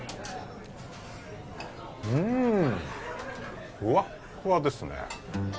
うんふわっふわですね